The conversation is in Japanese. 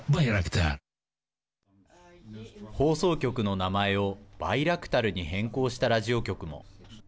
放送局の名前をバイラクタルに変更したラジオ局も。